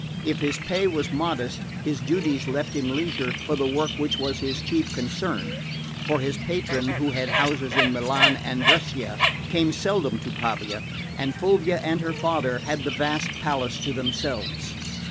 If his pay was modest his duties left him leisure for the work which was his chief concern; for his patron, who had houses in Milan and Brescia, came seldom to Pavia, and Fulvia and her father had the vast palace to themselves.